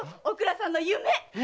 おくらさんの夢！